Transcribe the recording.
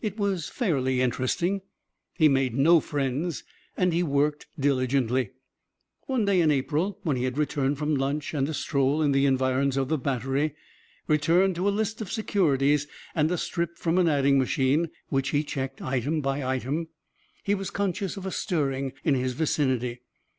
It was fairly interesting. He made no friends and he worked diligently. One day in April when he had returned from lunch and a stroll in the environs of the Battery returned to a list of securities and a strip from an adding machine, which he checked item by item he was conscious of a stirring in his vicinity.